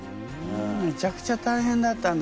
めちゃくちゃ大変だったんだ。